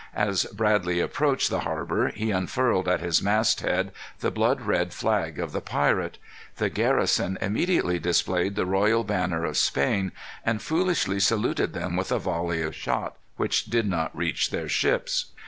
As Bradley approached the harbor, he unfurled at his mast head the blood red flag of the pirate. The garrison immediately displayed the royal banner of Spain, and foolishly saluted them with a volley of shot which did not reach their ships.